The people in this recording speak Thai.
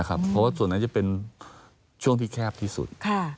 เพราะว่าส่วนนั้นจะเป็นช่วงที่แคบที่สุด